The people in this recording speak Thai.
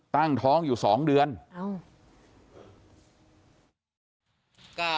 ตั้งท้องอยู่๒เดือนเอ้า